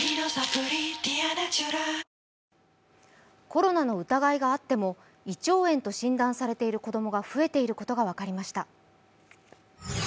コロナの疑いがあっても胃腸炎と診断されている子供が増えていることが分かりました。